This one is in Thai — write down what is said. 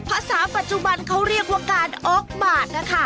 ภาษาปัจจุบันเขาเรียกว่าการออกบาดนะคะ